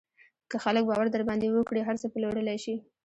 که خلک باور در باندې وکړي، هر څه پلورلی شې.